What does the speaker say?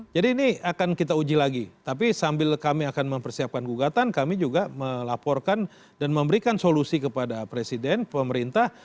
jadi ini akan kita uji lagi tapi sambil kami akan mempersiapkan gugatan kami juga melaporkan dan memberikan solusi kepada presiden pemerintah